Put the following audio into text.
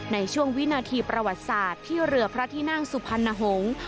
ในช่วงวินาทีประวัติศาสตร์ที่เรือพระที่นั่งสุพรรณหงษ์